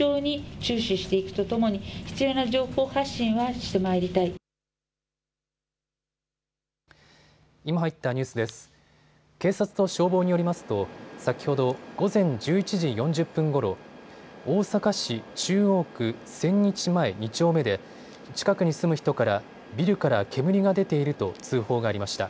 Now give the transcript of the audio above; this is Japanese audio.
警察と消防によりますと先ほど午前１１時４０分ごろ、大阪市中央区千日前２丁目で近くに住む人からビルから煙が出ていると通報がありました。